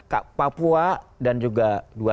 pak papua dan juga dua ratus dua belas